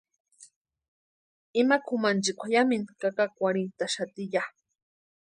Ima kʼumanchikwa yámintu kakakwarhintʼaxati ya.